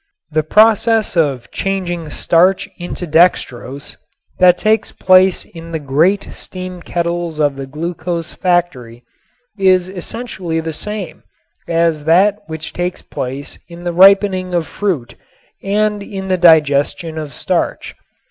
The process of changing starch into dextrose that takes place in the great steam kettles of the glucose factory is essentially the same as that which takes place in the ripening of fruit and in the digestion of starch.